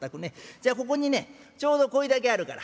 じゃここにねちょうどこいだけあるから。